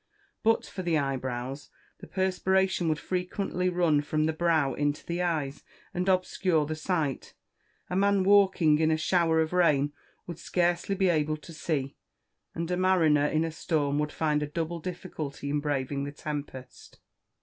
But for the eyebrows the perspiration would frequently run from the brow into the eyes, and obscure the sight; a man walking in a shower of rain would scarcely be able to see; and a mariner in a storm would find a double difficulty in braving the tempest.